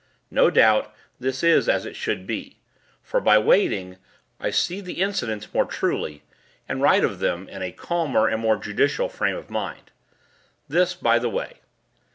No doubt, this is as it should be; for, by waiting, I see the incidents more truly, and write of them in a calmer and more judicial frame of mind. This by the way.